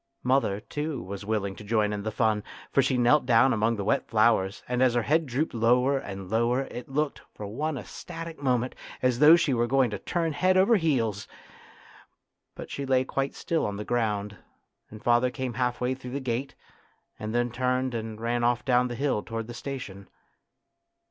Mother, too, was willing to join in the fun, for she knelt down among the wet flowers, and as her head drooped lower and lower it looked, for one ecstatic moment, as though she were going to turn head over heels. But she lay quite still on the ground, and father came half way through the gate, and then turned and ran off down the hill towards the station.